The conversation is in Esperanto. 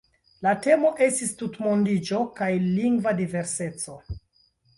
La temo estis "Tutmondiĝo kaj lingva diverseco.